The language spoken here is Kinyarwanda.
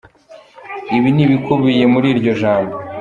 Ibi ni ibikubiye muri iryo Jambo.